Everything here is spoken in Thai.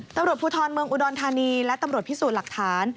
ตำรวจภูทรเมืองอุดรธานีและตำรวจพิสูจน์หลักฐาน